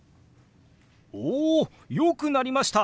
およくなりました！